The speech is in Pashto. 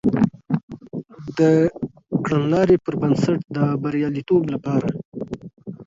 د کړنلاري پر بنسټ د بریالیتوب لپاره